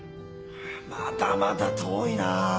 まだまだ遠いなぁ。